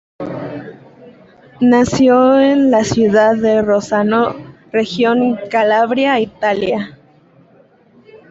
Nació en la ciudad de Rossano, region de Calabria, Italia.